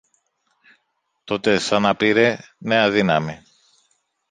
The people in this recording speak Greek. Τότε σαν να πήρε νέα δύναμη